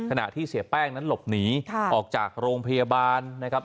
ขณะที่เสียแป้งนั้นหลบหนีออกจากโรงพยาบาลนะครับ